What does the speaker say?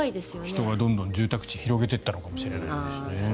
人がどんどん住宅地を広げていったのかもしれないですし。